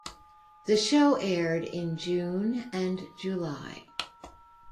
The show aired in June and July.